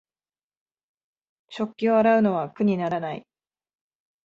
食器を洗うのは苦にならない